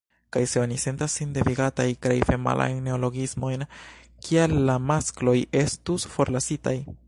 Kaj se oni sentas sin devigataj krei femalajn neologismojn, kial la maskloj estus forlasitaj?